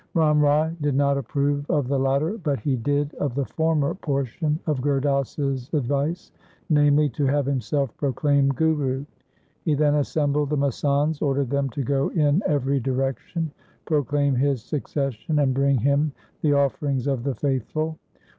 Ram Rai did not approve of the latter, but he did of the former portion of Gurdas' s advice, namely, to have himself proclaimed Guru. He then assembled the masands, ordered them to go in every direction, proclaim his succession, and bring him the offerings of the faithful.